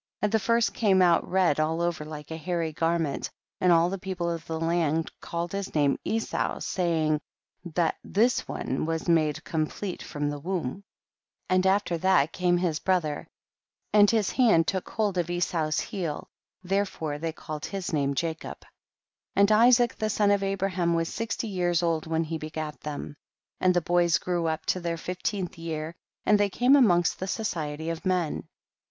14. And the first came out red all over like a hairy garment, and all the people of the land called his name Esau, saying, that this one was made complete from the womb. 15. And after that came his bro ther, and his hand look hokl of Esau's heel, therefore they called his name Jacob. 16. And Isaac, the son of Abra ham, was sixty years old when he begat them. 17. And the boys grew up to their fifteenth year, and they came amongst the society of men.